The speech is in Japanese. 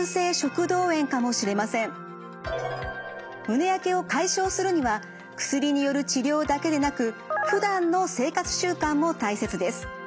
胸やけを解消するには薬による治療だけでなくふだんの生活習慣も大切です。